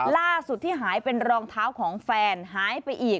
ล่าสุดที่หายเป็นรองเท้าของแฟนหายไปอีก